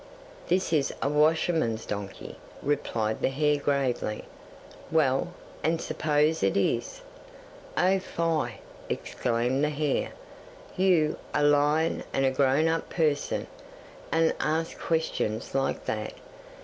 '"This is a washerman's donkey," replied the hare gravely. '"Well, and suppose it is?" '"Oh, fie!" exclaimed the hare. "You, a lion and a grown up person, and ask questions like that.